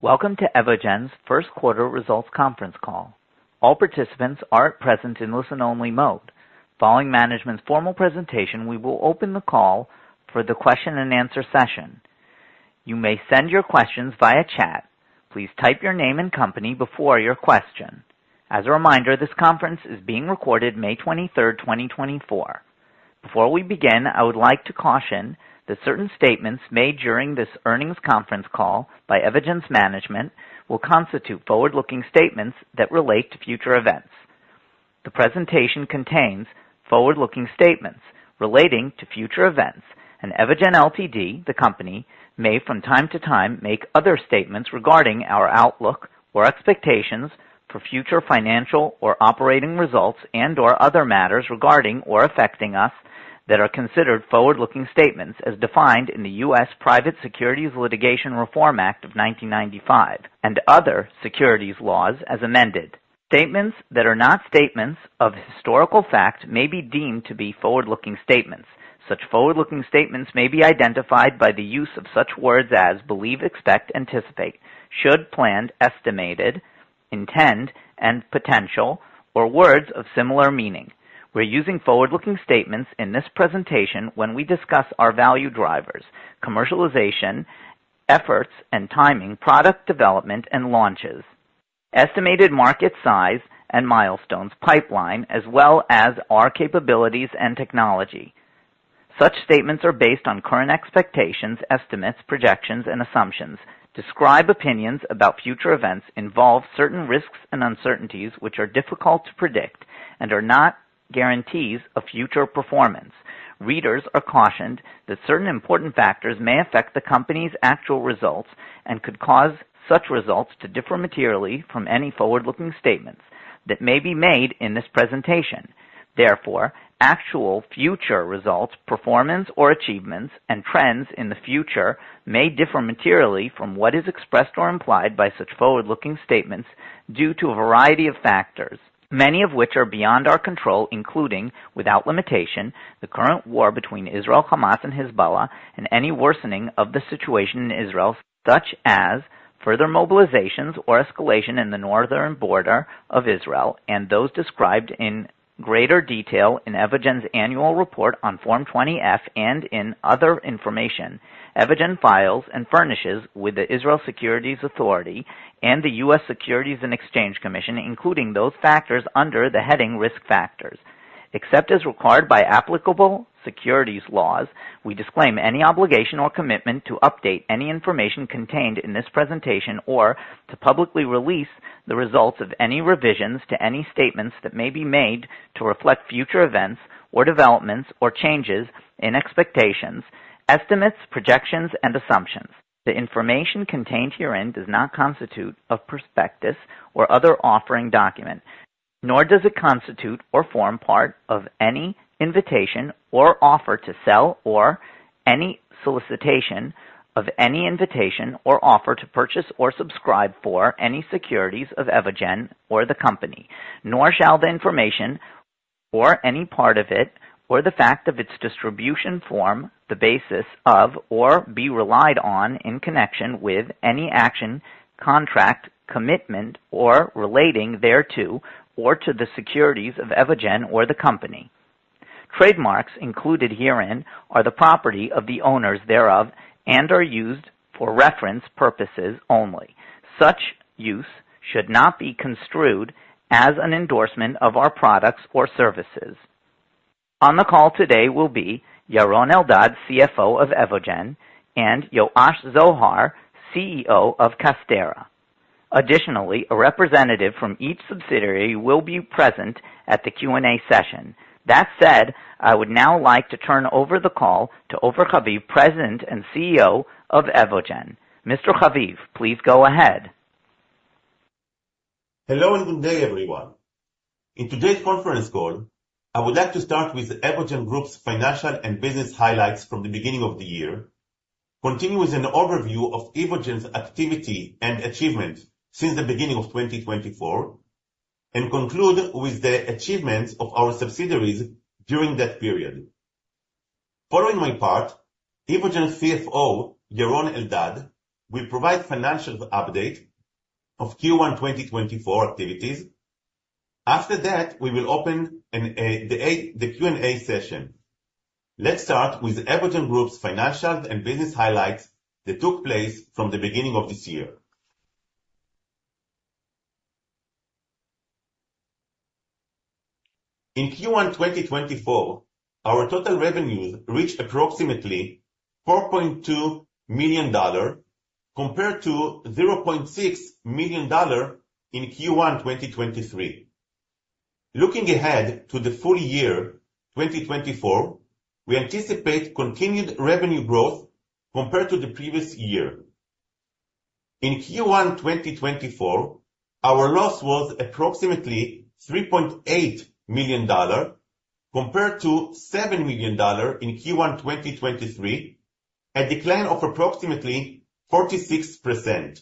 Welcome to Evogene's first quarter results conference call. All participants are at present in listen-only mode. Following management's formal presentation, we will open the call for the question-and-answer session. You may send your questions via chat. Please type your name and company before your question. As a reminder, this conference is being recorded May 23, 2024. Before we begin, I would like to caution that certain statements made during this earnings conference call by Evogene's management will constitute forward-looking statements that relate to future events. The presentation contains forward-looking statements relating to future events, and Evogene Ltd., the company, may from time to time, make other statements regarding our outlook or expectations for future financial or operating results and/or other matters regarding or affecting us that are considered forward-looking statements as defined in the U.S. Private Securities Litigation Reform Act of 1995 and other securities laws as amended. Statements that are not statements of historical fact may be deemed to be forward-looking statements. Such forward-looking statements may be identified by the use of such words as believe, expect, anticipate, should, planned, estimated, intend, and potential, or words of similar meaning. We're using forward-looking statements in this presentation when we discuss our value drivers, commercialization, efforts and timing, product development and launches, estimated market size and milestones, pipeline, as well as our capabilities and technology. Such statements are based on current expectations, estimates, projections and assumptions, describe opinions about future events, involve certain risks and uncertainties which are difficult to predict and are not guarantees of future performance. Readers are cautioned that certain important factors may affect the company's actual results and could cause such results to differ materially from any forward-looking statements that may be made in this presentation. Therefore, actual future results, performance or achievements and trends in the future may differ materially from what is expressed or implied by such forward-looking statements due to a variety of factors, many of which are beyond our control, including without limitation, the current war between Israel, Hamas, and Hezbollah, and any worsening of the situation in Israel, such as further mobilizations or escalation in the northern border of Israel, and those described in greater detail in Evogene's annual report on Form 20-F and in other information. Evogene files and furnishes with the Israel Securities Authority and the U.S. Securities and Exchange Commission, including those factors under the heading Risk Factors. Except as required by applicable securities laws, we disclaim any obligation or commitment to update any information contained in this presentation, or to publicly release the results of any revisions to any statements that may be made to reflect future events or developments, or changes in expectations, estimates, projections and assumptions. The information contained herein does not constitute a prospectus or other offering document, nor does it constitute or form part of any invitation or offer to sell, or any solicitation of any invitation, or offer to purchase or subscribe for any securities of Evogene or the company. Nor shall the information or any part of it, or the fact of its distribution form the basis of, or be relied on in connection with any action, contract, commitment, or relating thereto, or to the securities of Evogene or the company. Trademarks included herein are the property of the owners thereof and are used for reference purposes only. Such use should not be construed as an endorsement of our products or services. On the call today will be Yaron Eldad, CFO of Evogene, and Yoash Zohar, CEO of Casterra. Additionally, a representative from each subsidiary will be present at the Q&A session. That said, I would now like to turn over the call to Ofer Haviv, President and CEO of Evogene. Mr. Haviv, please go ahead. Hello, and good day, everyone. In today's conference call, I would like to start with the Evogene Group's financial and business highlights from the beginning of the year, continue with an overview of Evogene's activity and achievements since the beginning of 2024, and conclude with the achievements of our subsidiaries during that period. Following my part, Evogene's CFO, Yaron Eldad, will provide financial update of Q1 2024 activities. After that, we will open the Q&A session. Let's start with Evogene Group's financials and business highlights that took place from the beginning of this year. In Q1 2024, our total revenues reached approximately $4.2 million, compared to $0.6 million in Q1 2023. Looking ahead to the full-year 2024, we anticipate continued revenue growth compared to the previous year. In Q1 2024, our loss was approximately $3.8 million, compared to $7 million in Q1 2023, a decline of approximately 46%.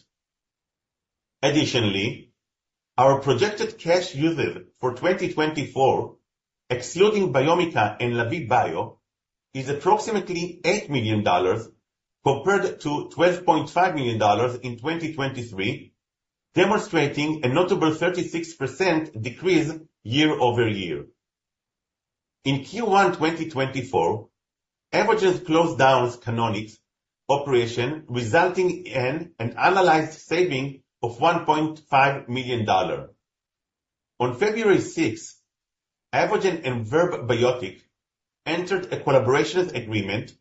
Additionally, our projected cash usage for 2024, excluding Biomica and Lavie Bio, is approximately $8 million compared to $12.5 million in 2023, demonstrating a notable 36% decrease year-over-year. In Q1 2024, Evogene closed down Canonic's operation, resulting in an annualized saving of $1.5 million. On February 6, Evogene and Verb Biotics entered a collaboration agreement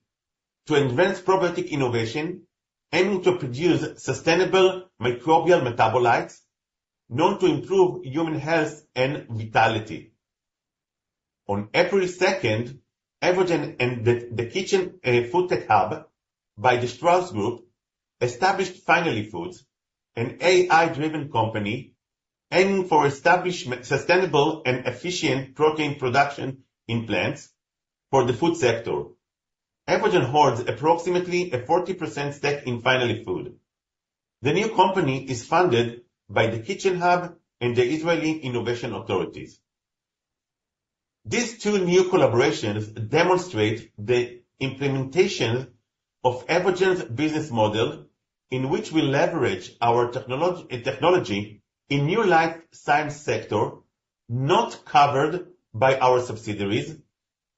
to advance probiotic innovation, aiming to produce sustainable microbial metabolites known to improve human health and vitality. On April 2, Evogene and The Kitchen FoodTech Hub by the Strauss Group established Finally Foods, an AI-driven company aiming to establish sustainable and efficient protein production in plants for the food sector. Evogene holds approximately a 40% stake in Finally Foods. The new company is funded by The Kitchen Hub and the Israel Innovation Authority. These two new collaborations demonstrate the implementation of Evogene's business model, in which we leverage our technology in new life science sector, not covered by our subsidiaries,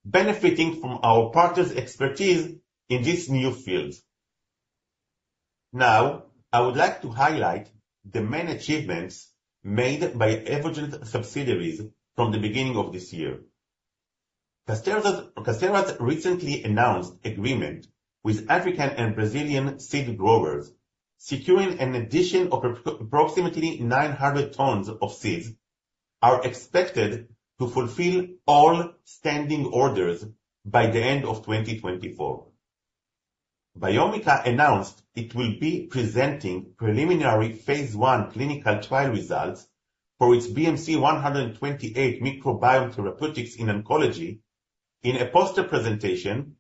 benefiting from our partners' expertise in this new field. Now, I would like to highlight the main achievements made by Evogene subsidiaries from the beginning of this year. Casterra recently announced agreement with African and Brazilian seed growers, securing an addition of approximately 900 tons of seeds, are expected to fulfill all standing orders by the end of 2024. Biomica announced it will be presenting preliminary phase I clinical trial results for its BMC128 microbiome therapeutics in oncology in a poster presentation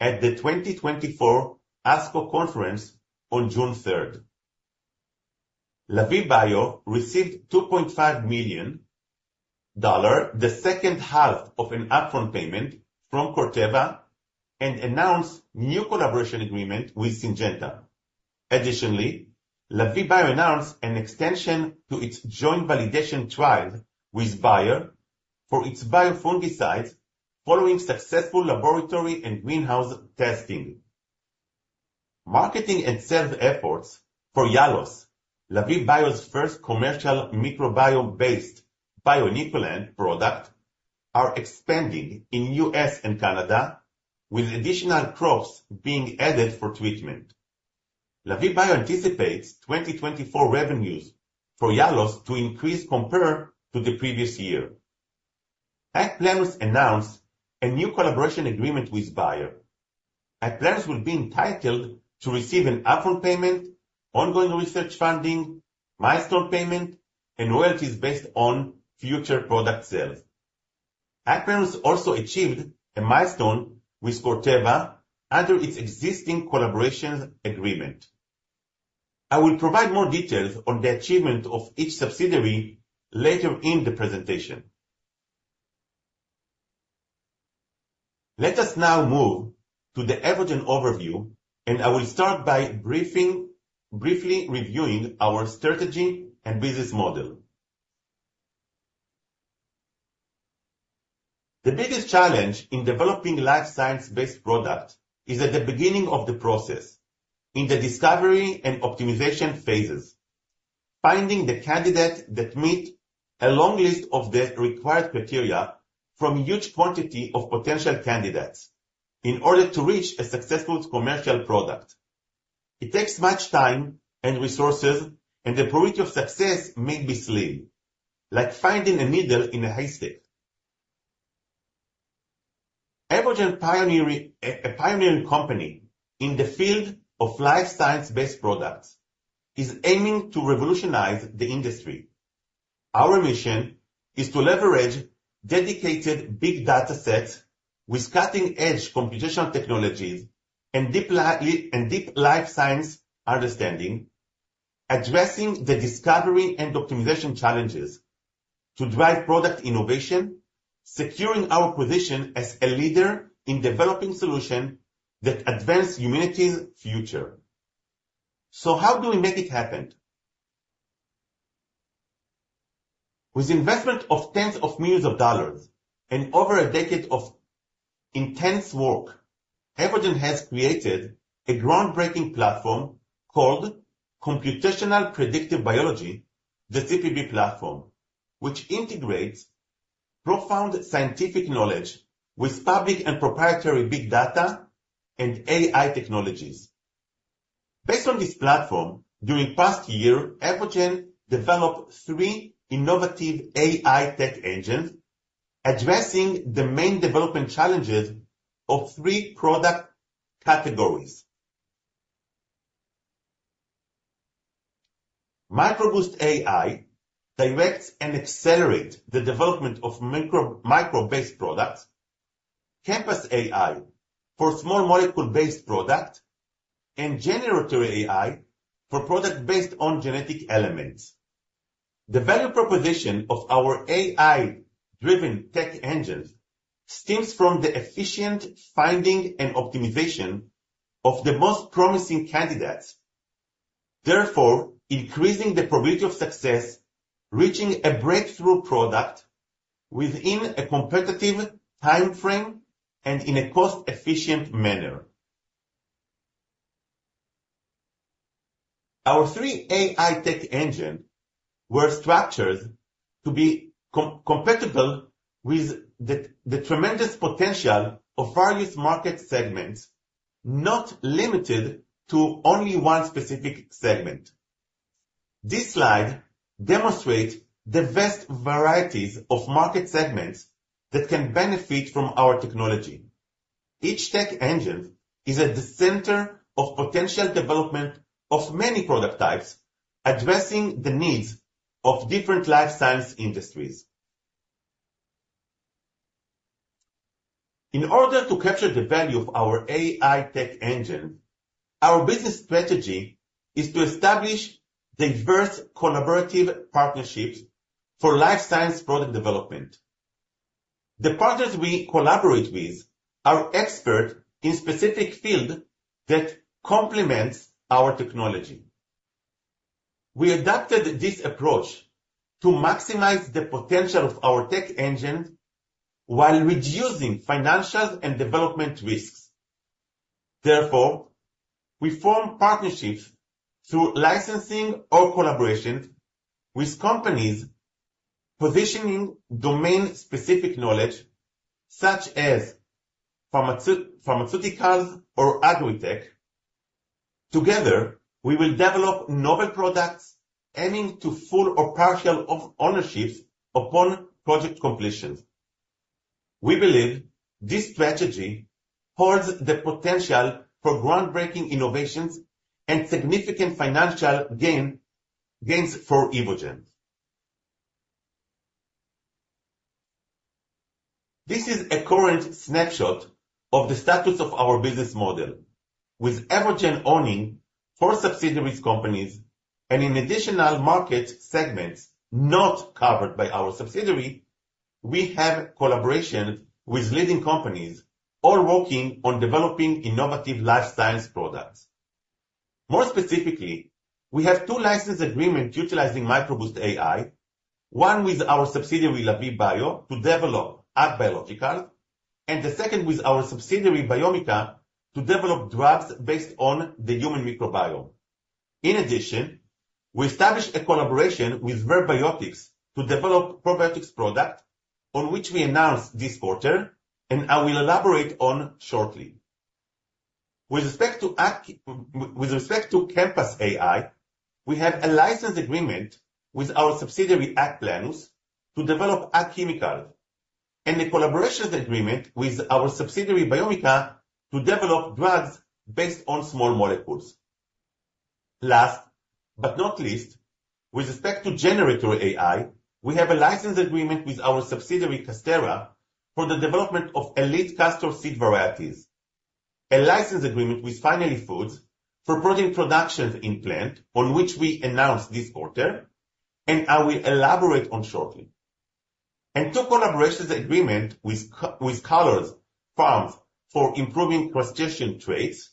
at the 2024 ASCO conference on June 3rd. Lavie Bio received $2.5 million, the second half of an upfront payment from Corteva, and announced new collaboration agreement with Syngenta. Additionally, Lavie Bio announced an extension to its joint validation trial with Bayer for its bio-fungicides, following successful laboratory and greenhouse testing. Marketing and sales efforts for Yalos, Lavie Bio's first commercial microbiome-based bio-inoculant product, are expanding in U.S. and Canada, with additional crops being added for treatment. Lavie Bio anticipates 2024 revenues for Yalos to increase compared to the previous year. AgPlenus announced a new collaboration agreement with Bayer. AgPlenus will be entitled to receive an upfront payment, ongoing research funding, milestone payment, and royalties based on future product sales. AgPlenus also achieved a milestone with Corteva under its existing collaboration agreement. I will provide more details on the achievement of each subsidiary later in the presentation. Let us now move to the Evogene overview, and I will start by briefly reviewing our strategy and business model. The biggest challenge in developing life science-based product is at the beginning of the process, in the discovery and optimization phases. Finding the candidates that meet a long list of the required criteria from huge quantity of potential candidates in order to reach a successful commercial product. It takes much time and resources, and the probability of success may be slim, like finding a needle in a haystack. Evogene pioneering, a pioneering company in the field of life science-based products, is aiming to revolutionize the industry. Our mission is to leverage dedicated big datasets with cutting-edge computational technologies and deep life science understanding, addressing the discovery and optimization challenges to drive product innovation, securing our position as a leader in developing solutions that advance humanity's future. So how do we make it happen? With investment of tens of millions of dollars and over a decade of intense work, Evogene has created a groundbreaking platform called Computational Predictive Biology, the CPB platform, which integrates profound scientific knowledge with public and proprietary big data and AI technologies. Based on this platform, during past year, Evogene developed three innovative AI tech engines, addressing the main development challenges of three product categories. MicroBoost AI directs and accelerates the development of microbe-based products. ChemPass AI for small molecule-based products, and GeneRator AI for products based on genetic elements. The value proposition of our AI-driven tech engine stems from the efficient finding and optimization of the most promising candidates, therefore increasing the probability of success, reaching a breakthrough product within a competitive time frame and in a cost-efficient manner. Our three AI tech engine were structured to be compatible with the tremendous potential of various market segments, not limited to only one specific segment. This slide demonstrates the vast varieties of market segments that can benefit from our technology. Each tech engine is at the center of potential development of many product types, addressing the needs of different life science industries. In order to capture the value of our AI tech engine, our business strategy is to establish diverse collaborative partnerships for life science product development. The partners we collaborate with are experts in specific field that complements our technology. We adopted this approach to maximize the potential of our tech engine while reducing financial and development risks. Therefore, we form partnerships through licensing or collaborations with companies positioning domain-specific knowledge such as pharmaceuticals or agritech. Together, we will develop novel products aiming to full or partial of ownership upon project completion. We believe this strategy holds the potential for groundbreaking innovations and significant financial gains for Evogene. This is a current snapshot of the status of our business model, with Evogene owning four subsidiary companies and in additional market segments not covered by our subsidiary, we have collaborations with leading companies, all working on developing innovative life science products. More specifically, we have two license agreement utilizing MicroBoost AI, one with our subsidiary, Lavie Bio, to develop ag biological, and the second with our subsidiary, Biomica, to develop drugs based on the human microbiome. In addition, we established a collaboration with Verb Biotics to develop probiotics product, on which we announced this quarter, and I will elaborate on shortly. With respect to ChemPass AI, we have a license agreement with our subsidiary, AgPlenus, to develop ag chemicals, and a collaboration agreement with our subsidiary, Biomica, to develop drugs based on small molecules. Last, but not least, with respect to GeneRator AI, we have a license agreement with our subsidiary, Casterra, for the development of elite castor seed varieties. A license agreement with Finally Foods for protein production in plant, on which we announced this quarter, and I will elaborate on shortly. And two collaborations agreements with Colors Farm for improving crustacean traits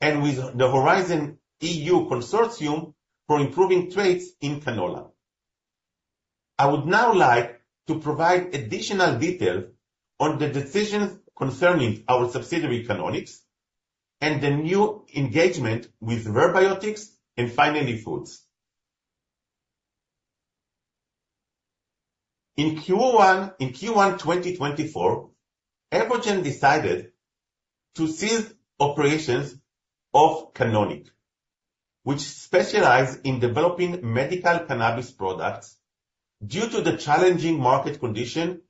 and with the Horizon Europe Consortium for improving traits in canola. I would now like to provide additional details on the decisions concerning our subsidiary, Canonic, and the new engagement with Verb Biotics and Finally Foods. In Q1, in Q1 2024, Evogene decided to cease operations of Canonic, which specialize in developing medical cannabis products due to the challenging market condition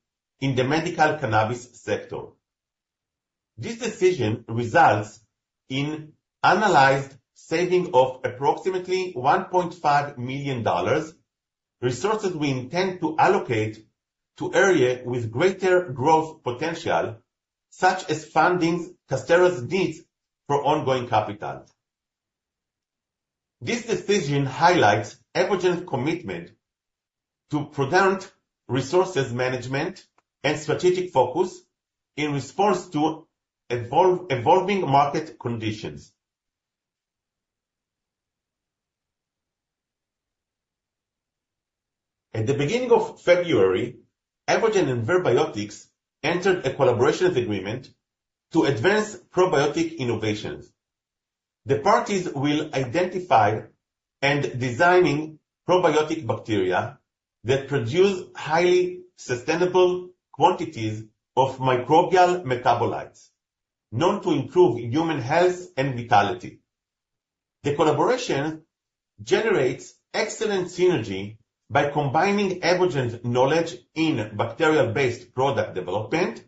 in the medical cannabis sector. This decision results in annualized saving of approximately $1.5 million, resources we intend to allocate to area with greater growth potential, such as funding Casterra's needs for ongoing capital. This decision highlights Evogene's commitment to prudent resources management and strategic focus in response to evolving market conditions. At the beginning of February, Evogene and Verb Biotics entered a collaboration agreement to advance probiotic innovations. The parties will identify and designing probiotic bacteria that produce highly sustainable quantities of microbial metabolites known to improve human health and vitality. The collaboration generates excellent synergy by combining Evogene's knowledge in bacterial-based product development,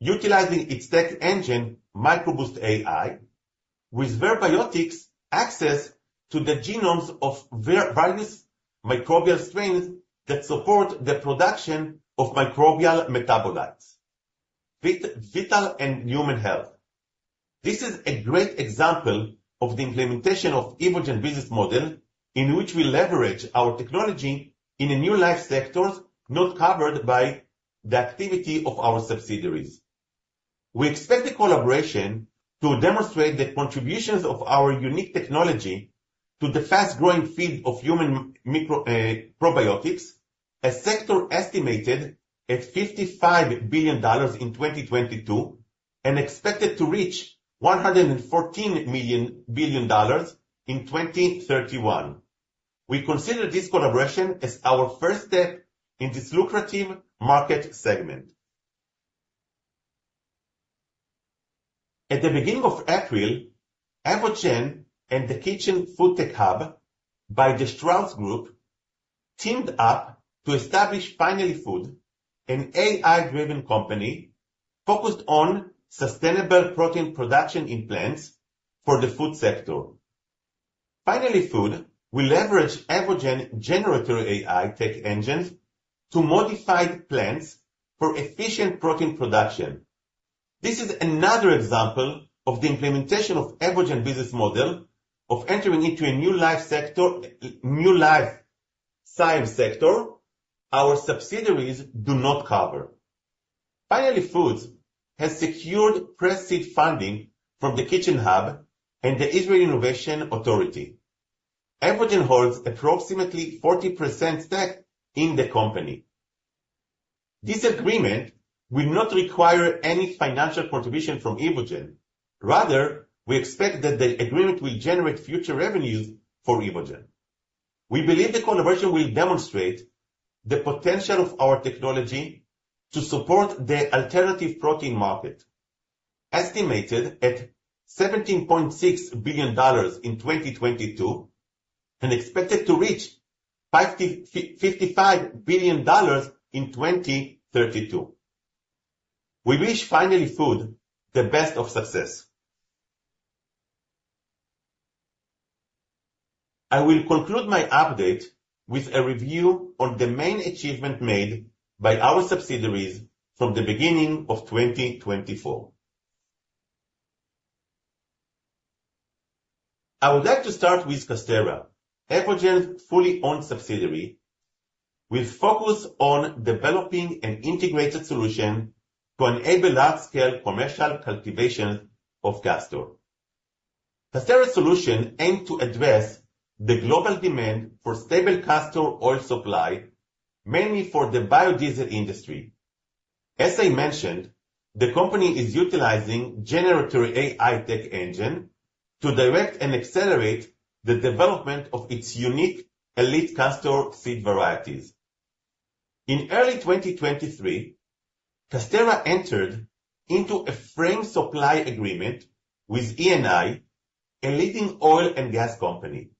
utilizing its tech engine, MicroBoost AI. With Verb Biotics' access to the genomes of various microbial strains that support the production of microbial metabolites, vital to human health. This is a great example of the implementation of Evogene's business model, in which we leverage our technology in new life-science sectors not covered by the activity of our subsidiaries. We expect the collaboration to demonstrate the contributions of our unique technology to the fast-growing field of human microbiome probiotics, a sector estimated at $55 billion in 2022, and expected to reach $114 billion in 2031. We consider this collaboration as our first step in this lucrative market segment. At the beginning of April, Evogene and The Kitchen FoodTech Hub of the Strauss Group teamed up to establish Finally Foods, an AI-driven company focused on sustainable protein production in plants for the food sector. Finally Foods, we leverage Evogene's GeneRator AI tech engines to modify plants for efficient protein production. This is another example of the implementation of Evogene's business model of entering into a new life sector, new life science sector our subsidiaries do not cover. Finally Foods has secured pre-seed funding from the Kitchen Hub and the Israel Innovation Authority. Evogene holds approximately 40% stake in the company. This agreement will not require any financial contribution from Evogene. Rather, we expect that the agreement will generate future revenues for Evogene. We believe the collaboration will demonstrate the potential of our technology to support the alternative protein market, estimated at $17.6 billion in 2022, and expected to reach $55 billion in 2032. We wish Finally Foods the best of success. I will conclude my update with a review on the main achievement made by our subsidiaries from the beginning of 2024. I would like to start with Casterra, Evogene's fully owned subsidiary, with focus on developing an integrated solution to enable large-scale commercial cultivation of castor. Casterra solution aims to address the global demand for stable castor oil supply, mainly for the biodiesel industry. As I mentioned, the company is utilizing GeneRator AI tech engine, to direct and accelerate the development of its unique elite castor seed varieties. In early 2023, Casterra entered into a framework supply agreement with Eni, a leading oil and gas company.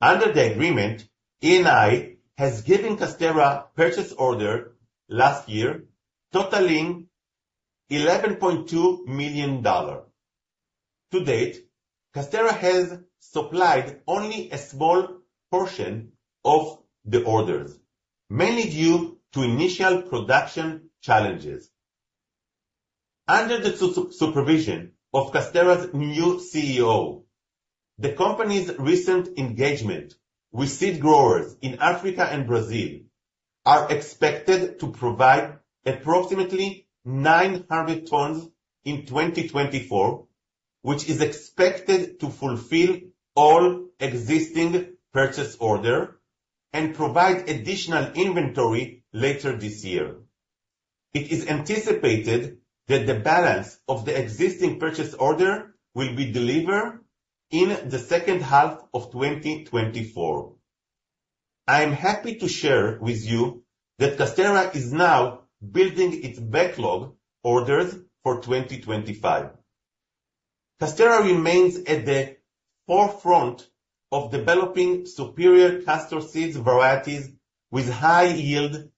Under the agreement, Eni has given Casterra purchase order last year, totaling $11.2 million. To date, Casterra has supplied only a small portion of the orders, mainly due to initial production challenges. Under the supervision of Casterra's new CEO, the company's recent engagement with seed growers in Africa and Brazil are expected to provide approximately 900 tons in 2024, which is expected to fulfill all existing purchase order and provide additional inventory later this year. It is anticipated that the balance of the existing purchase order will be delivered in the second half of 2024. I am happy to share with you that Casterra is now building its backlog orders for 2025. Casterra remains at the forefront of developing superior castor seeds varieties with high yield,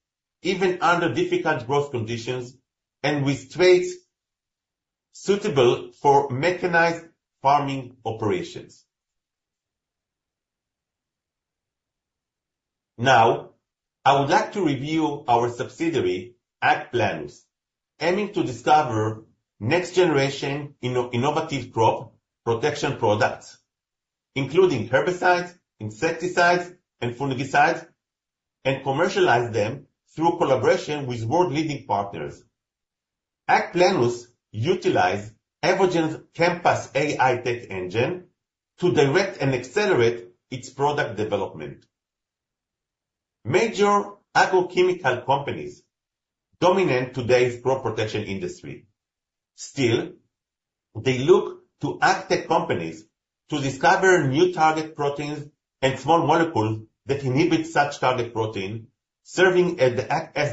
even under difficult growth conditions, and with traits suitable for mechanized farming operations. Now, I would like to review our subsidiary, AgPlenus, aiming to discover next-generation innovative crop protection products, including herbicides, insecticides, and fungicides, and commercialize them through collaboration with world-leading partners. AgPlenus utilize Evogene's ChemPass AI tech engine to direct and accelerate its product development. Major agrochemical companies dominate today's crop protection industry. Still, they look to Agtech companies to discover new target proteins and small molecules that inhibit such target protein, serving as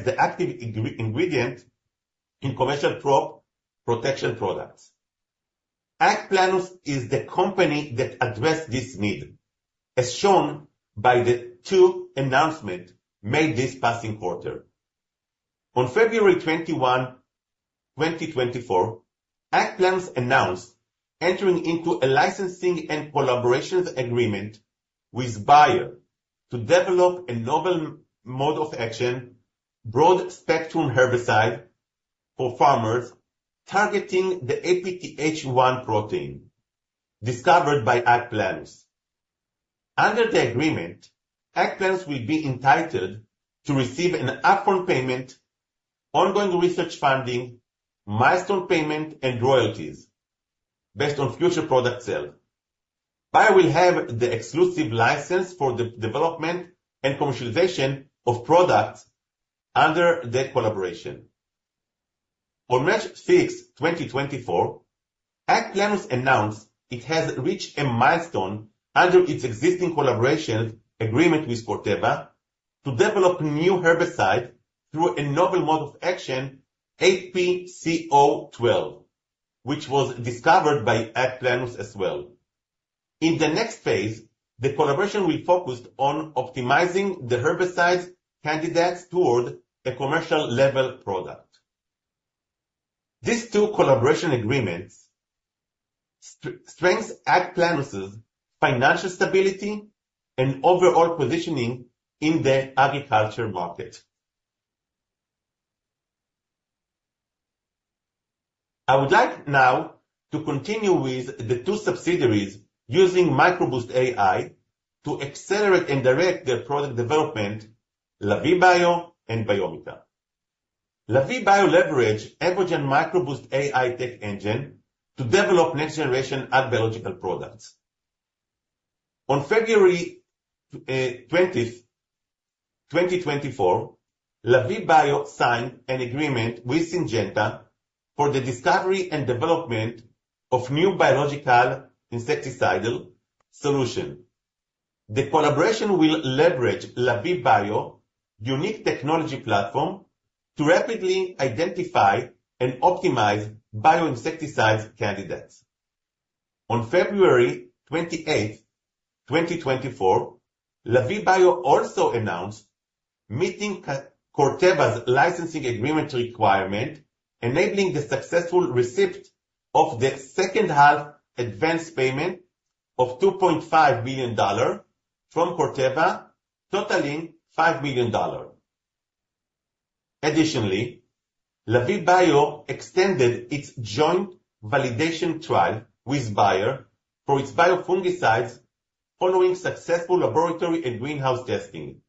the active ingredient in commercial crop protection products. AgPlenus is the company that addressed this need, as shown by the two announcements made this past quarter. On February 21, 2024, AgPlenus announced entering into a licensing and collaboration agreement with Bayer to develop a novel mode of action, broad-spectrum herbicide for farmers, targeting the APTH-1 protein discovered by AgPlenus. Under the agreement, AgPlenus will be entitled to receive an upfront payment, ongoing research funding, milestone payments, and royalties based on future product sales. Bayer will have the exclusive license for the development and commercialization of products under the collaboration. On March 6, 2024, AgPlenus announced it has reached a milestone under its existing collaboration agreement with Corteva to develop new herbicides through a novel mode of action, APCO-12, which was discovered by AgPlenus as well. In the next phase, the collaboration will focus on optimizing the herbicide candidates toward a commercial-level product. These two collaboration agreements strengthen AgPlenus' financial stability and overall positioning in the agriculture market. I would like now to continue with the two subsidiaries using MicroBoost AI to accelerate and direct their product development, Lavie Bio and Biomica. Lavie Bio leverage Evogene MicroBoost AI tech engine to develop next-generation ag biological products. On February 20th, 2024, Lavie Bio signed an agreement with Syngenta for the discovery and development of new biological insecticidal solution. The collaboration will leverage Lavie Bio unique technology platform to rapidly identify and optimize bio-insecticide candidates. On February 28th, 2024, Lavie Bio also announced meeting Corteva's licensing agreement requirement, enabling the successful receipt of the second half advanced payment of $2.5 million from Corteva, totaling $5 million. Additionally, Lavie Bio extended its joint validation trial with Bayer for its bio-fungicides following successful laboratory and greenhouse testing.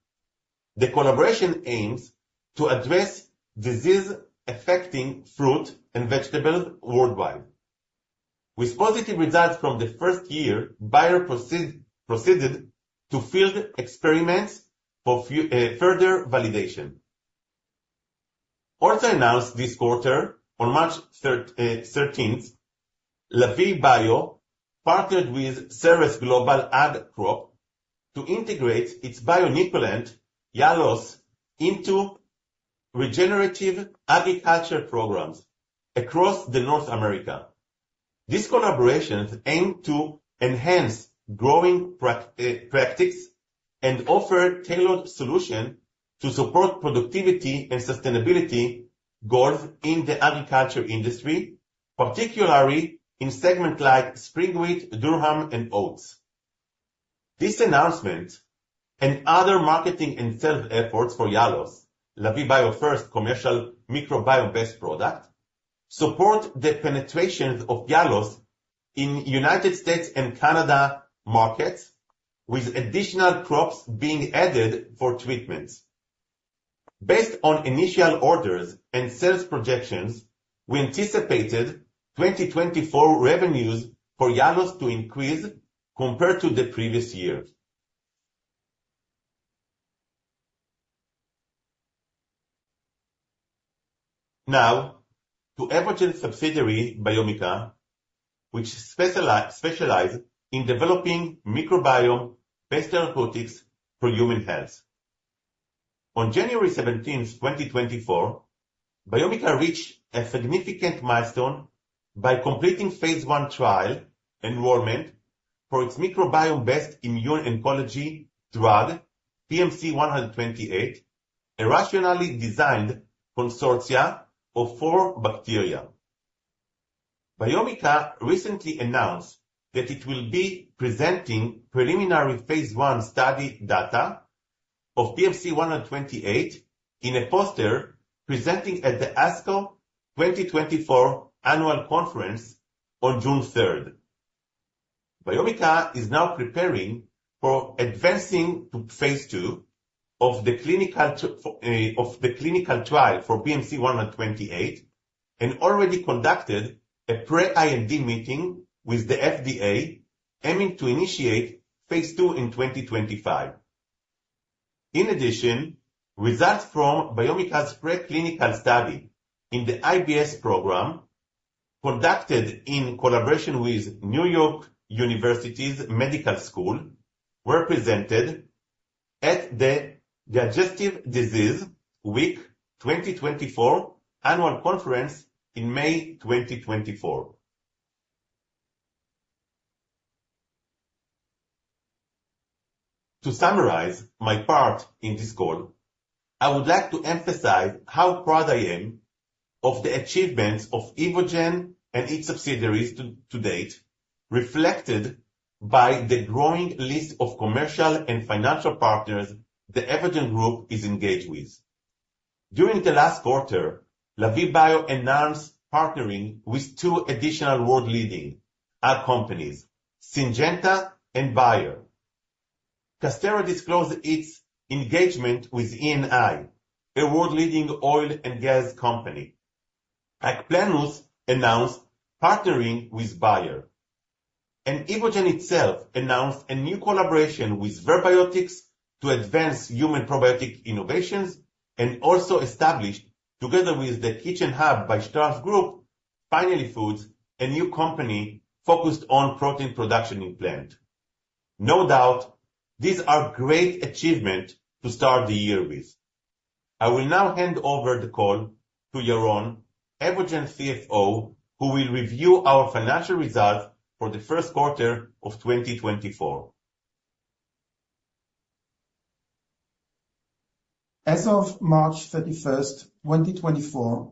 The collaboration aims to address diseases affecting fruit and vegetables worldwide. With positive results from the first year, Bayer proceeded to field experiments for further validation. Also announced this quarter, on March 13th, Lavie Bio partnered with Ceres Global Ag Corp. to integrate its bio-inoculant, Yalos, into regenerative agriculture programs across North America. These collaborations aim to enhance growing practice and offer tailored solution to support productivity and sustainability goals in the agriculture industry, particularly in segment like spring wheat, durum, and oats. This announcement and other marketing and sales efforts for Yalos, Lavie Bio first commercial microbiome-based product, support the penetration of Yalos in United States and Canada markets, with additional crops being added for treatments. Based on initial orders and sales projections, we anticipated 2024 revenues for Yalos to increase compared to the previous year. Now, to Evogene subsidiary, Biomica, which specialize in developing microbiome-based therapeutics for human health. On January 17th, 2024, Biomica reached a significant milestone by completing phase I trial enrollment for its microbiome-based immuno-oncology drug, BMC128, a rationally designed consortium of four bacteria. Biomica recently announced that it will be presenting preliminary phase I study data of BMC128 in a poster presentation at the ASCO 2024 Annual Conference on June 3rd. Biomica is now preparing for advancing to phase II of the clinical trial for BMC128, and already conducted a pre-IND meeting with the FDA, aiming to initiate phase II in 2025. In addition, results from Biomica's preclinical study in the IBS program, conducted in collaboration with New York University School of Medicine, were presented at the Digestive Disease Week 2024 annual conference in May 2024. To summarize my part in this call, I would like to emphasize how proud I am of the achievements of Evogene and its subsidiaries to date, reflected by the growing list of commercial and financial partners the Evogene group is engaged with. During the last quarter, Lavie Bio enhanced partnering with two additional world-leading ag companies, Syngenta and Bayer. Casterra disclosed its engagement with Eni, a world-leading oil and gas company. AgPlenus announced partnering with Bayer, and Evogene itself announced a new collaboration with Verb Biotics to advance human probiotic innovations and also established, together with The Kitchen Hub by Strauss Group, Finally Foods, a new company focused on protein production in plant. No doubt, these are great achievements to start the year with. I will now hand over the call to Yaron, Evogene CFO, who will review our financial results for the first quarter of 2024. As of March 31, 2024,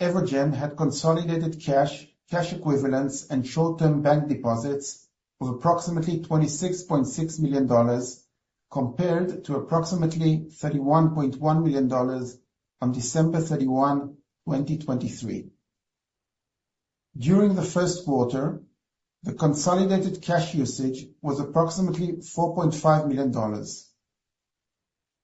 Evogene had consolidated cash, cash equivalents, and short-term bank deposits of approximately $26.6 million, compared to approximately $31.1 million on December 31, 2023. During the first quarter, the consolidated cash usage was approximately $4.5 million.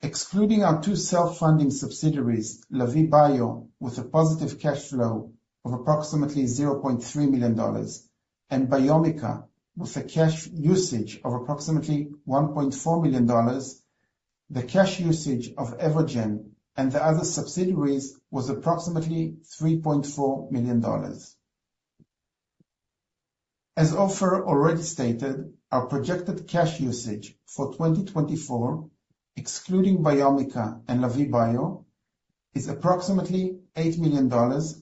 Excluding our two self-funding subsidiaries, Lavie Bio, with a positive cash flow of approximately $0.3 million, and Biomica, with a cash usage of approximately $1.4 million, the cash usage of Evogene and the other subsidiaries was approximately $3.4 million. As Ofer already stated, our projected cash usage for 2024, excluding Biomica and Lavie Bio, is approximately $8 million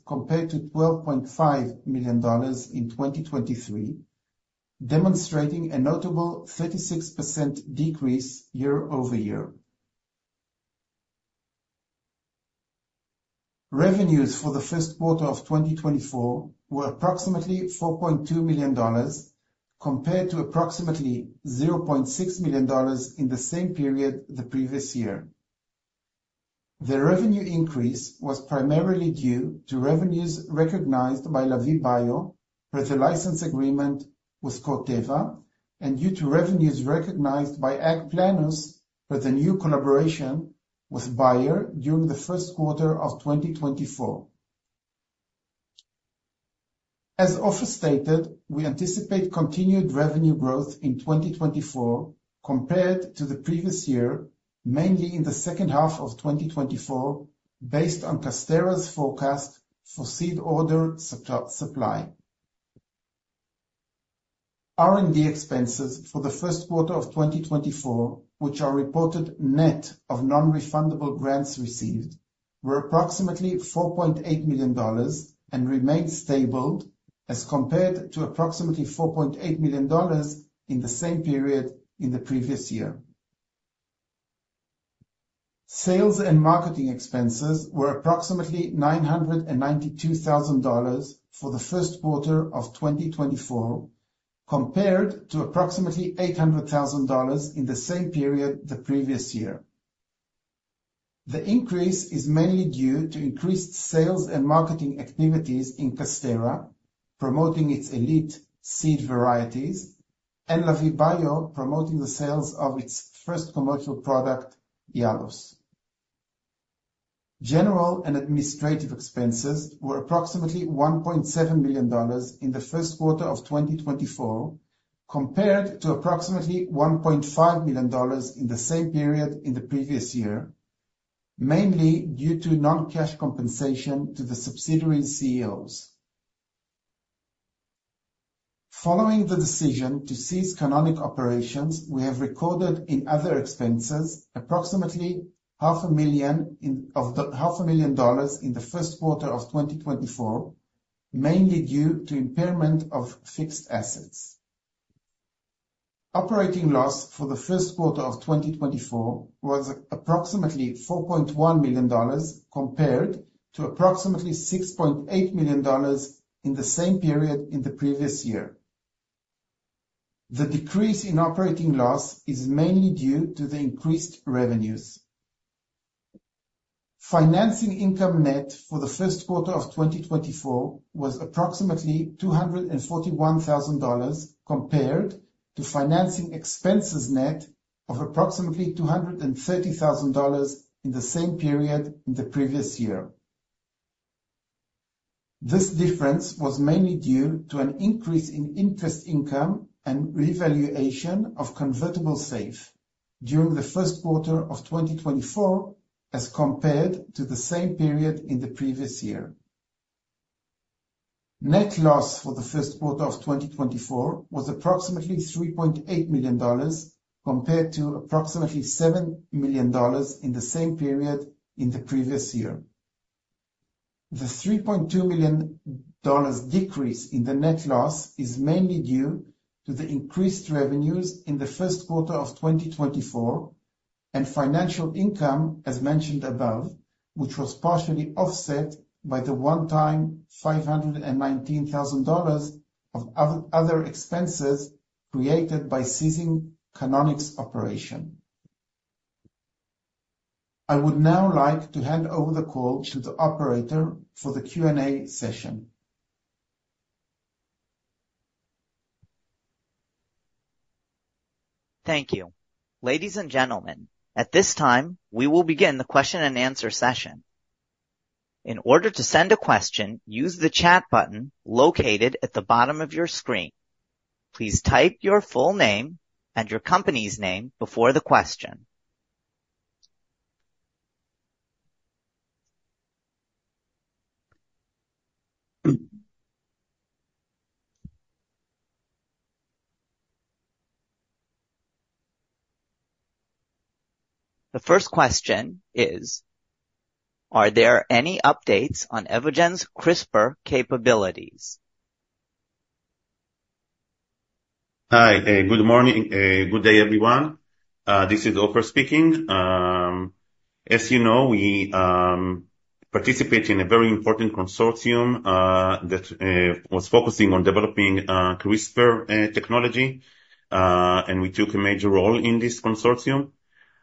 compared to $12.5 million in 2023, demonstrating a notable 36% decrease year-over-year. Revenues for the first quarter of 2024 were approximately $4.2 million, compared to approximately $0.6 million in the same period the previous year. The revenue increase was primarily due to revenues recognized by Lavie Bio with a license agreement with Corteva, and due to revenues recognized by AgPlenus with a new collaboration with Bayer during the first quarter of 2024. As Ofer stated, we anticipate continued revenue growth in 2024 compared to the previous year, mainly in the second half of 2024, based on Casterra's forecast for seed order supply. R&D expenses for the first quarter of 2024, which are reported net of non-refundable grants received, were approximately $4.8 million and remained stable as compared to approximately $4.8 million in the same period in the previous year. Sales and marketing expenses were approximately $992,000 for the first quarter of 2024, compared to approximately $800,000 in the same period the previous year. The increase is mainly due to increased sales and marketing activities in Casterra, promoting its elite seed varieties, and Lavie Bio promoting the sales of its first commercial product, Yalos. General and administrative expenses were approximately $1.7 million in the first quarter of 2024, compared to approximately $1.5 million in the same period in the previous year, mainly due to non-cash compensation to the subsidiary CEOs. Following the decision to cease Canonic operations, we have recorded in other expenses approximately $500,000 in the first quarter of 2024, mainly due to impairment of fixed assets. Operating loss for the first quarter of 2024 was approximately $4.1 million, compared to approximately $6.8 million in the same period in the previous year. The decrease in operating loss is mainly due to the increased revenues. Financing income net for the first quarter of 2024 was approximately $241,000, compared to financing expenses net of approximately $230,000 in the same period in the previous year. This difference was mainly due to an increase in interest income and revaluation of convertible SAFE during the first quarter of 2024, as compared to the same period in the previous year. Net loss for the first quarter of 2024 was approximately $3.8 million, compared to approximately $7 million in the same period in the previous year.... The $3.2 million decrease in the net loss is mainly due to the increased revenues in the first quarter of 2024, and financial income, as mentioned above, which was partially offset by the one-time $519,000 of other expenses created by ceasing Canonic's operation. I would now like to hand over the call to the operator for the Q&A session. Thank you. Ladies and gentlemen, at this time, we will begin the question and answer session. In order to send a question, use the chat button located at the bottom of your screen. Please type your full name and your company's name before the question. The first question is: Are there any updates on Evogene's CRISPR capabilities? Hi, good morning. Good day, everyone. This is Ofer speaking. As you know, we participate in a very important consortium that was focusing on developing CRISPR technology, and we took a major role in this consortium.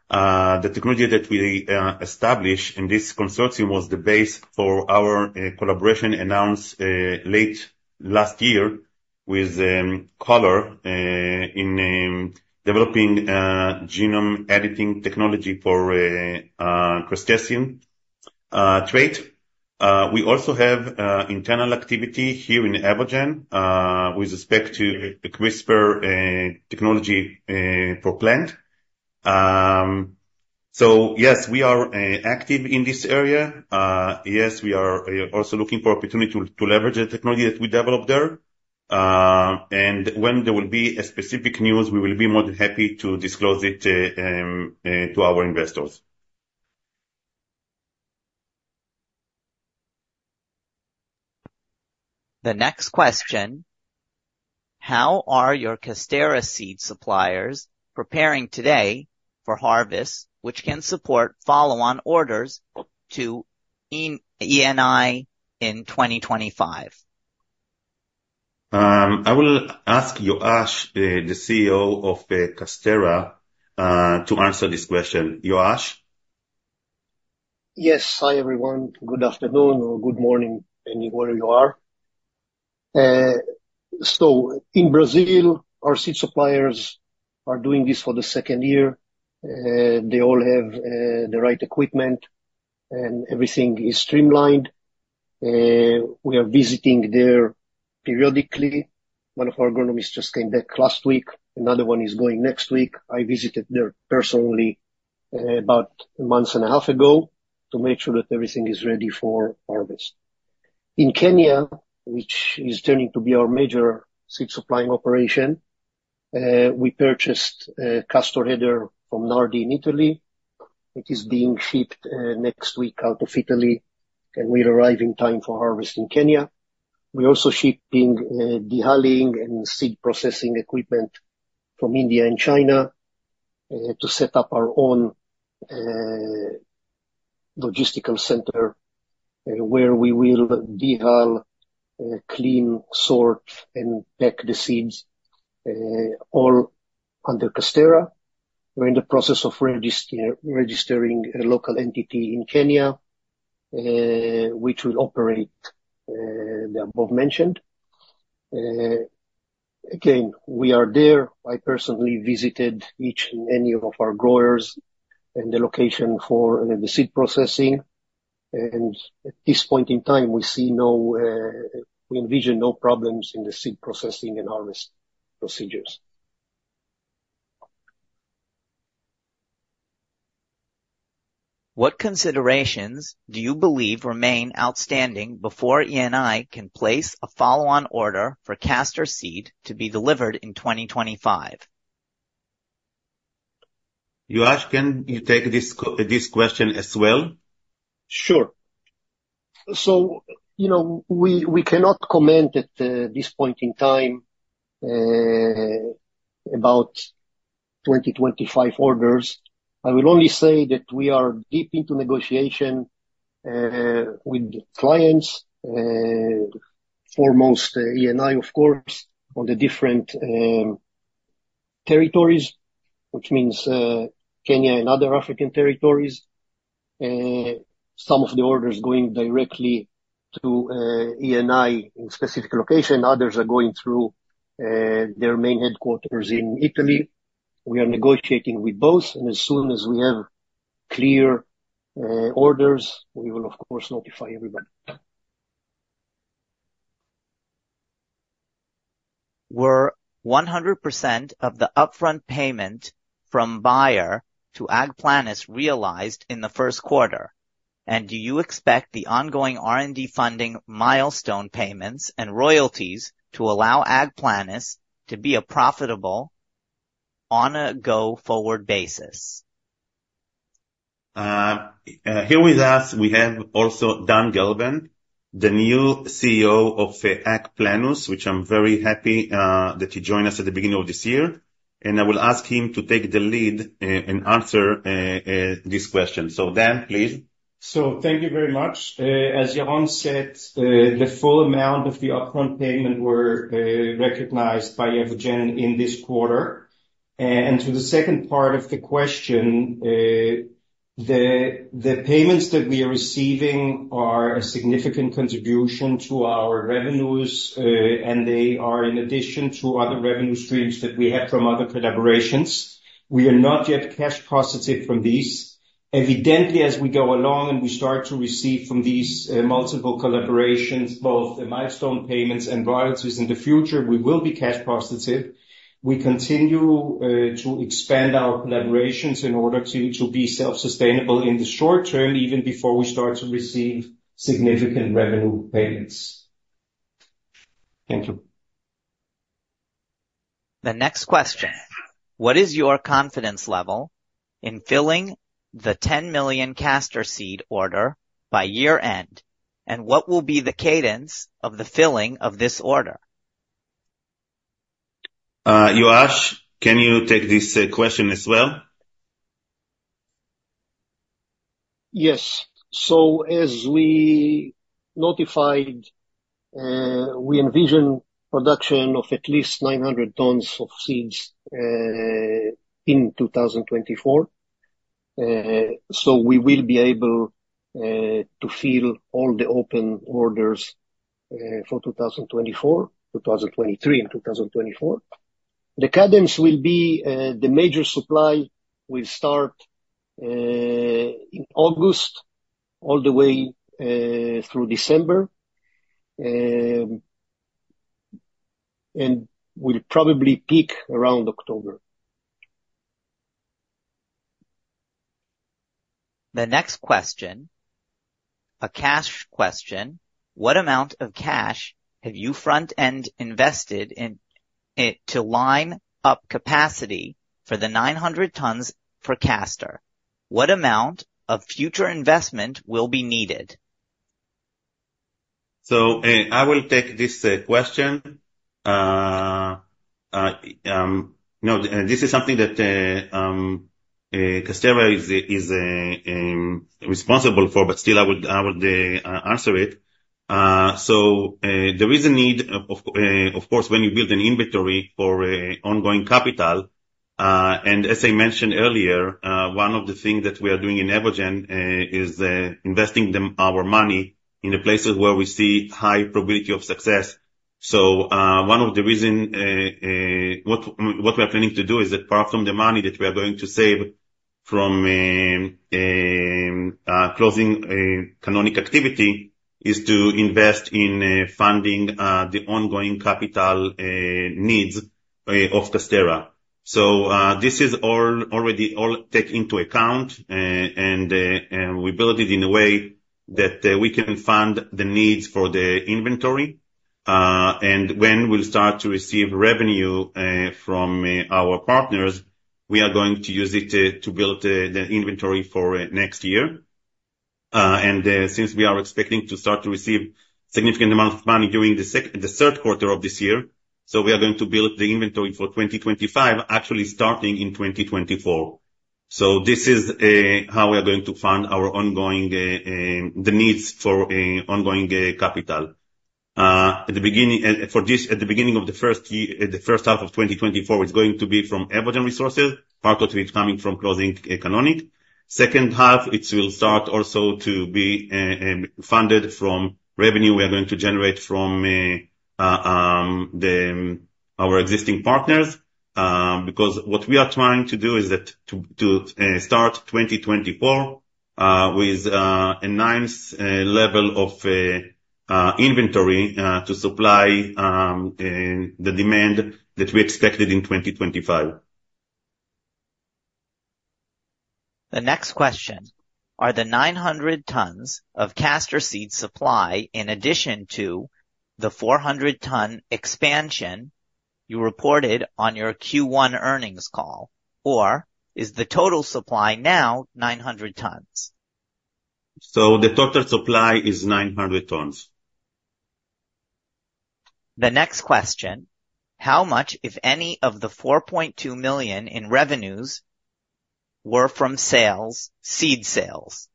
The technology that we established in this consortium was the base for our collaboration, announced late last year with Colors Farm in developing genome editing technology for crustacean trait. We also have internal activity here in Evogene, with respect to CRISPR technology, for plant. So yes, we are active in this area. Yes, we are also looking for opportunity to leverage the technology that we developed there. When there will be a specific news, we will be more than happy to disclose it to our investors. The next question: How are your Casterra seed suppliers preparing today for harvest, which can support follow-on orders to Eni in 2025? I will ask Yoash, the CEO of Casterra, to answer this question. Yoash? Yes. Hi, everyone. Good afternoon or good morning, anywhere you are. So in Brazil, our seed suppliers are doing this for the second year. They all have the right equipment, and everything is streamlined. We are visiting there periodically. One of our agronomists just came back last week. Another one is going next week. I visited there personally, about a month and a half ago, to make sure that everything is ready for harvest. In Kenya, which is turning to be our major seed supplying operation, we purchased a castor header from Nardi in Italy. It is being shipped next week out of Italy, and will arrive in time for harvest in Kenya. We're also shipping dehulling and seed processing equipment from India and China to set up our own logistical center where we will dehull, clean, sort, and pack the seeds all under Casterra. We're in the process of registering a local entity in Kenya which will operate the above-mentioned. Again, we are there. I personally visited each and any of our growers and the location for the seed processing, and at this point in time, we see no, we envision no problems in the seed processing and harvest procedures. What considerations do you believe remain outstanding before Eni can place a follow-on order for castor seed to be delivered in 2025? Yoash, can you take this question as well? Sure. So, you know, we, we cannot comment at this point in time about 2025 orders. I will only say that we are deep into negotiation with the clients, foremost Eni, of course, on the different territories, which means Kenya and other African territories. Some of the orders going directly to Eni in specific location, others are going through their main headquarters in Italy. We are negotiating with both, and as soon as we have clear orders, we will of course notify everybody. Were 100% of the upfront payment from Bayer to AgPlenus realized in the first quarter, and do you expect the ongoing R&D funding, milestone payments and royalties to allow AgPlenus to be a profitable... on a go-forward basis? Here with us, we have also Dan Gelvan, the new CEO of AgPlenus, which I'm very happy that he joined us at the beginning of this year, and I will ask him to take the lead and answer this question. So Dan, please. So thank you very much. As Yaron said, the full amount of the upfront payment were recognized by Evogene in this quarter. And to the second part of the question, the payments that we are receiving are a significant contribution to our revenues, and they are in addition to other revenue streams that we have from other collaborations. We are not yet cash positive from these. Evidently, as we go along and we start to receive from these multiple collaborations, both the milestone payments and royalties in the future, we will be cash positive. We continue to expand our collaborations in order to be self-sustainable in the short-term, even before we start to receive significant revenue payments. Thank you. The next question: What is your confidence level in filling the 10 million castor seed order by year-end, and what will be the cadence of the filling of this order? Yoash, can you take this question as well? Yes. So as we notified, we envision production of at least 900 tons of seeds in 2024. So we will be able to fill all the open orders for 2023 and 2024. The cadence will be the major supply will start in August, all the way through December, and will probably peak around October. The next question, a cash question: What amount of cash have you front-ended invested in it to line up capacity for the 900 tons for Castor? What amount of future investment will be needed? So, I will take this question. No, this is something that Casterra is responsible for, but still I would answer it. So, there is a need, of course, when you build an inventory for ongoing capital, and as I mentioned earlier, one of the things that we are doing in Evogene is investing our money in the places where we see high probability of success. So, one of the reason what we are planning to do is that apart from the money that we are going to save from closing Canonic activity, is to invest in funding the ongoing capital needs of Casterra. So, this is all already all take into account, and we build it in a way that we can fund the needs for the inventory. And when we'll start to receive revenue from our partners, we are going to use it to to build the inventory for next year. And since we are expecting to start to receive significant amount of money during the third quarter of this year, so we are going to build the inventory for 2025, actually starting in 2024. So this is how we are going to fund our ongoing the needs for ongoing capital. At the beginning of the first year, the first half of 2024, it's going to be from Evogene resources, part of it coming from closing economics. Second half, it will start also to be funded from revenue we are going to generate from our existing partners, because what we are trying to do is to start 2024 with a nice level of inventory to supply the demand that we expected in 2025. The next question: Are the 900 tons of castor seed supply in addition to the 400 tons expansion you reported on your Q1 earnings call, or is the total supply now 900 tons? The total supply is 900 tons. The next question: How much, if any, of the $4.2 million in revenues were from sales, seed sales?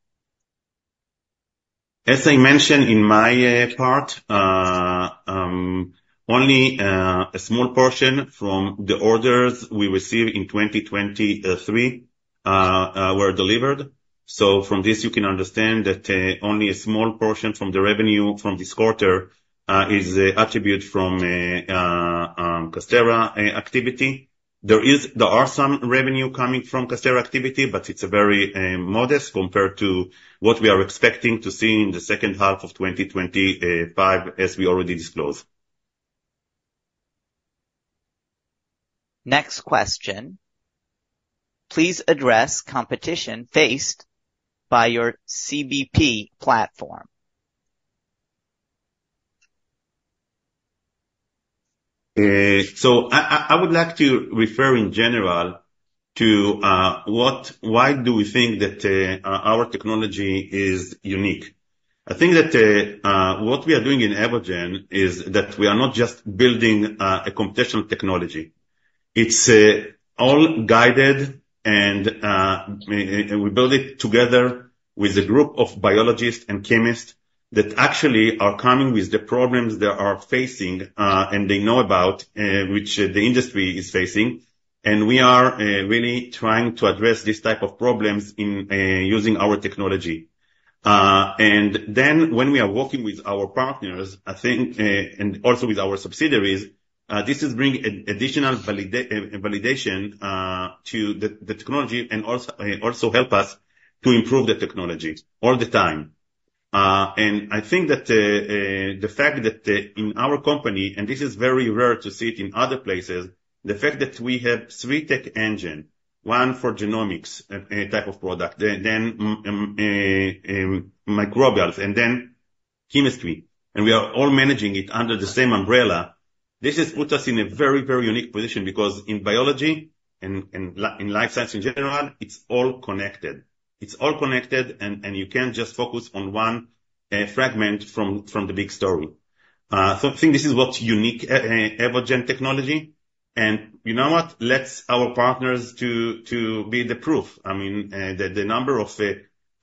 As I mentioned in my part, only a small portion from the portion from the orders we received in 2023 were delivered. So from this, you can understand that only a small portion from the revenue from this quarter is attributed to Casterra activity. There is... There are some revenue coming from Casterra activity, but it's a very modest compared to what we are expecting to see in the second half of 2025, as we already disclosed. Next question: Please address competition faced by your CPB platform. ... So I would like to refer in general to what why do we think that our technology is unique? I think that what we are doing in Evogene is that we are not just building a computational technology. It's all guided and we build it together with a group of biologists and chemists that actually are coming with the problems they are facing and they know about which the industry is facing. And we are really trying to address these type of problems in using our technology. And then when we are working with our partners, I think and also with our subsidiaries this is bringing additional validation to the technology and also help us to improve the technology all the time. I think that the fact that in our company, and this is very rare to see it in other places, the fact that we have three tech engine, one for genomics type of product, then microbials, and then chemistry, and we are all managing it under the same umbrella. This has put us in a very, very unique position, because in biology and in life science in general, it's all connected. It's all connected, and you can't just focus on one fragment from the big story. So I think this is what's unique, Evogene technology. And you know what? Let our partners be the proof. I mean, the number of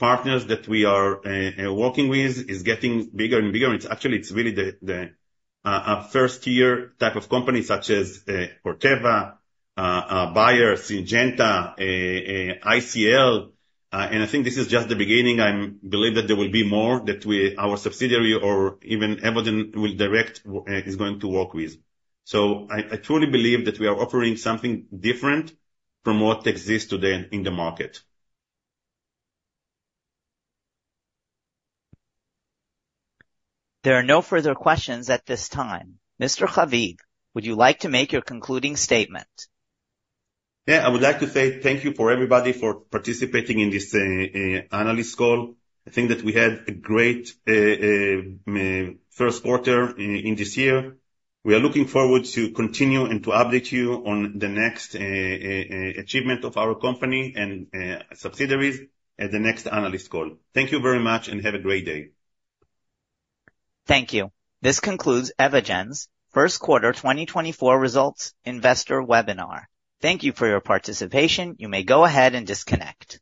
partners that we are working with is getting bigger and bigger. It's actually, it's really a first tier type of company such as Corteva, Bayer, Syngenta, ICL. I think this is just the beginning. I believe that there will be more that we, our subsidiary or even Evogene will direct, is going to work with. So I truly believe that we are offering something different from what exists today in the market. There are no further questions at this time. Mr. Haviv, would you like to make your concluding statement? Yeah, I would like to say thank you for everybody for participating in this analyst call. I think that we had a great first quarter in this year. We are looking forward to continue and to update you on the next achievement of our company and subsidiaries at the next analyst call. Thank you very much and have a great day. Thank you. This concludes Evogene's first quarter 2024 results investor webinar. Thank you for your participation. You may go ahead and disconnect.